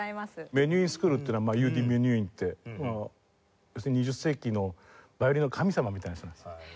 メニューインスクールっていうのはユーディ・メニューインって２０世紀のヴァイオリンの神様みたいな人なんです。